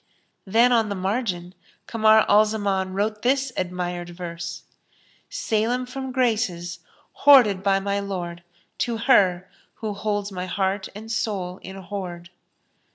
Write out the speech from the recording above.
Then on the margin Kamar al Zaman wrote this admired verse, "Salem from graces hoarded by my Lord * To her, who holds my heart and soul in hoard!"